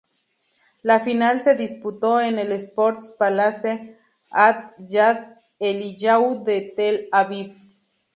La final se disputó en el Sports Palace at Yad Eliyahu de Tel Aviv.